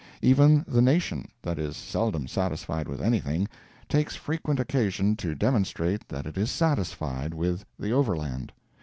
Even the Nation, that is seldom satisfied with anything, takes frequent occasion to demonstrate that it is satisfied with the Overland.